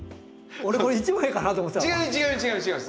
俺これ一枚かなと思ってたの。